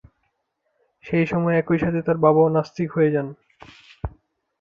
সেইসময় একইসাথে তার বাবাও নাস্তিক হয়ে যান।